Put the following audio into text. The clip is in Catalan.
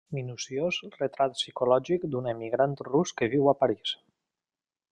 Minuciós retrat psicològic d'un emigrant rus que viu a París.